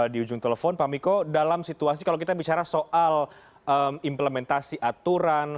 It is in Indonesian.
di ujung telepon pak miko dalam situasi kalau kita bicara soal implementasi aturan